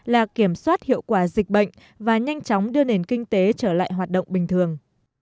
là kiểm soát hiệu quả dịch bệnh và nhanh chóng đưa nền kinh tế trở lại hoạt động bình thường